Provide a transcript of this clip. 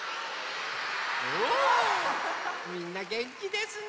みんなげんきですね！